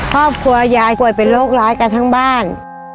ครอบครัวยายป่วยเป็นโรคร้ายกันทั้งบ้าน